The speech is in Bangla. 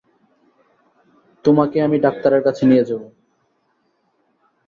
তোমাকে আমি ডাক্তারের কাছে নিয়ে যাব।